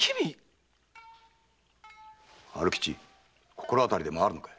⁉春吉心当たりでもあるのか？